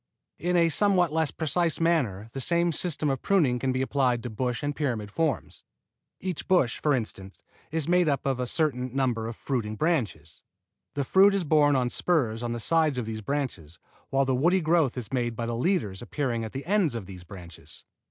In a somewhat less precise manner the same system of pruning can be applied to bush and pyramid forms. Each bush, for instance, is made up of a certain number of fruiting branches. The fruit is borne on spurs on the sides of these branches, while the woody growth is made by the leaders appearing at the ends of these branches.